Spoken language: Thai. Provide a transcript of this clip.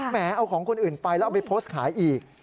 แหมเอาของคนอื่นไปแล้วเอาไปโพสต์ขายอีก